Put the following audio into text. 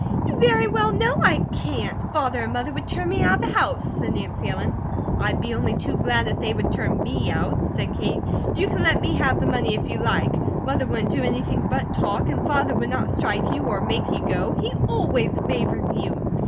"You very well know I can't! Father and Mother would turn me out of the house," said Nancy Ellen. "I'd be only too glad if they would turn me out," said Kate. "You can let me have the money if you like. Mother wouldn't do anything but talk; and Father would not strike you, or make you go, he always favours you."